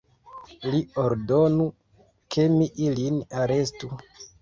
Li ordonu, ke mi ilin arestu!